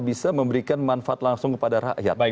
bisa memberikan manfaat langsung kepada rakyat